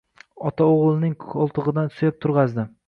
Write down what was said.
Ota o‘g‘lining qo‘ltig‘idan suyab turg‘azdi.